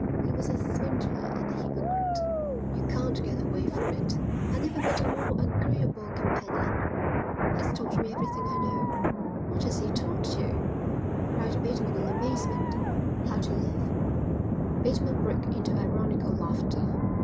He was a swindler and a hypocrite. You can't get away from it. I never met a more agreeable companion. He's taught me everything I know." "What has he taught you?" cried Bateman in amazement. "How to live." Bateman broke into ironical laughter.